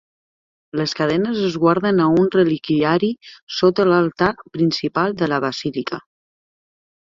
Les cadenes es guarden a un reliquiari sota l'altar principal de la basílica.